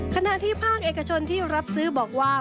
ขณะที่ภาคเอกชนที่รับซื้อบอกว่า